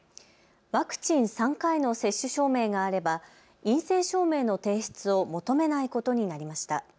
ワクチン３回の接種証明があれば陰性証明の提出を求めないことになりました。